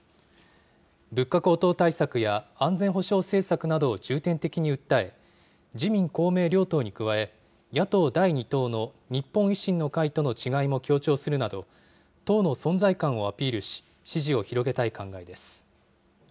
物価高騰対策や、安全保障政策などを重点的に訴え、自民、公明両党に加え、野党第２党の日本維新の会との違いも強調するなど、党の存在感をアピールし、支持を広げたい考えです。